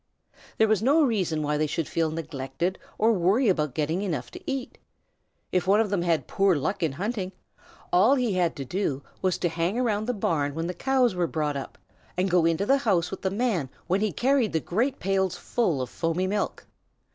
There was no reason why they should feel neglected or worry about getting enough to eat. If one of them had poor luck in hunting, all he had to do was to hang around the barn when the Cows were brought up, and go into the house with the man when he carried the great pails full of foamy milk.